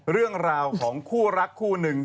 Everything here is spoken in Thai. เรื่องราวของคู่รักคู่หนึ่ง